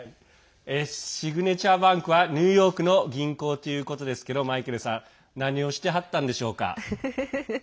シグネチャーバンクはニューヨークの銀行ということですけどマイケルさん何をしてはったんでしょうか？